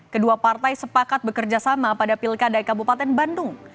kedua partai sepakat bekerjasama pada pilkada kabupaten bandung